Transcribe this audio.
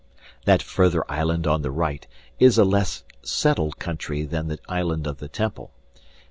That further island on the right is a less settled country than the island of the temple.